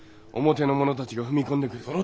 表の者たちが踏み込んでくる。